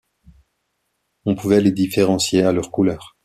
On pouvait les différencier à leurs couleurs.